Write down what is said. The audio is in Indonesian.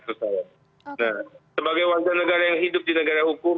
nah sebagai warga negara yang hidup di negara hukum